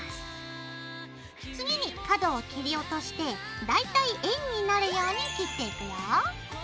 次に角を切り落として大体円になるように切っていくよ。